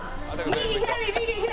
右左右左！